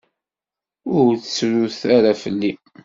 Ur ttrut ara fell-i.